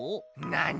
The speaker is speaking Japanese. なに？